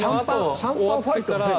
シャンパンファイト？